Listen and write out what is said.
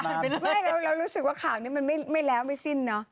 ไม่เรารู้สึกว่าข่าวนี้มันไม่แล้วไม่สิ้นเนอะ